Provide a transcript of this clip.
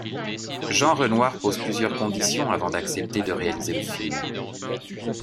Jean Renoir pose plusieurs conditions avant d'accepter de réaliser le film.